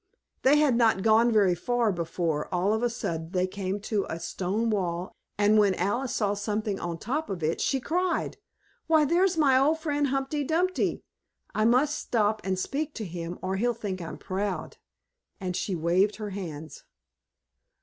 They had not gone very far before, all of a sudden, they came to a stone wall, and when Alice saw something on top of it, she cried: "Why, there's my old friend Humpty Dumpty. I must stop and speak to him or he'll think I'm proud," and she waved her hands.